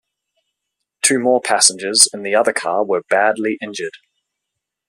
Two more passengers in the other car were badly injured.